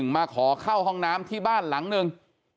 มาขอเข้าห้องน้ำที่บ้านหลังหนึ่ง